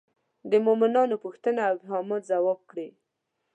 د مومنانو پوښتنې او ابهامات ځواب کړي.